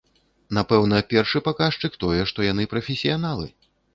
Напэўна, першы паказчык тое, што яны прафесіяналы.